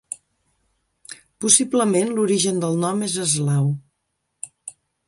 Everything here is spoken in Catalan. Possiblement, l'origen del nom és eslau.